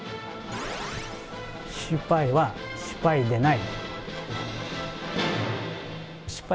失敗は失敗でない。